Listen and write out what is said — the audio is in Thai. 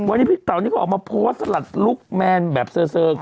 วันนี้พี่เต๋านี่ก็ออกมาโพสต์สลัดลุคแมนแบบเซอร์